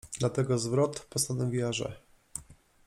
Dlatego zwrot: „postanowiła, że.